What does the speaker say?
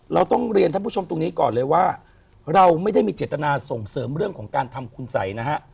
เราต้องเรียนท่านผู้ชมตรงนี้ก่อนเลยว่าเราไม่ได้มีเจตนาส่งเสริมเรื่องของการทำคุณสัยนะฮะ